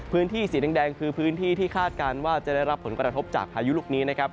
พื้นที่สีแดงคือพื้นที่ที่คาดการณ์ว่าจะได้รับผลกระทบจากพายุลูกนี้นะครับ